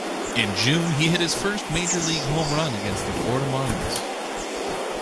In June he hit his first major league home run against the Florida Marlins.